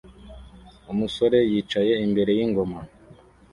Umusore yicaye imbere yingoma